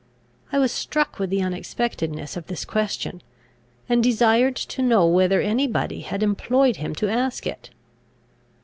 I was struck with the unexpectedness of this question, and desired to know whether any body had employed him to ask it.